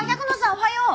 おはよう！